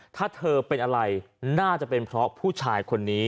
ถ้าเธอเป็นอะไรน่าจะเป็นเพราะผู้ชายคนนี้